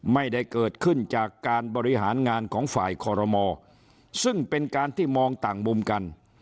ไม่ได้เกิดขึ้นจากการบริหารงานของฝ่ายคอรมอซึ่งเป็นการที่มองต่างมุมกัน